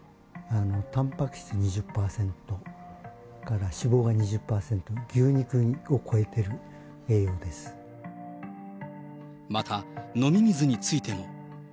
たんぱく質２０％、それから脂肪が２０％、牛肉を超えてる栄養でまた、飲み水についても。